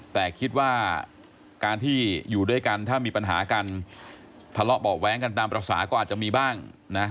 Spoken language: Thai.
แต่คิดว่าการที่อยู่ด้วยกันถ้ามีปัญหากันทะเลาะเบาะแว้งกันตามภาษาก็อาจจะมีบ้างนะ